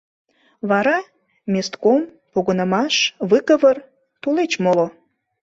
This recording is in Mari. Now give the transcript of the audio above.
Вара — местком, погынымаш, выговор, тулеч моло...